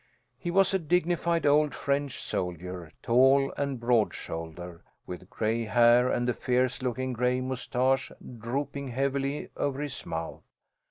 He was a dignified old French soldier, tall and broad shouldered, with gray hair and a fierce looking gray moustache drooping heavily over his mouth.